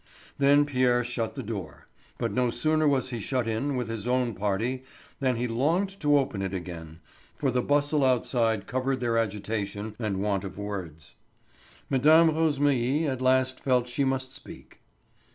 Then Pierre shut the door; but no sooner was he shut in with his own party than he longed to open it again, for the bustle outside covered their agitation and want of words. Mme. Rosémilly at last felt she must speak.